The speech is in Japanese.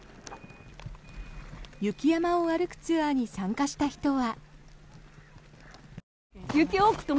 雪山を歩くツアーに参加した人は。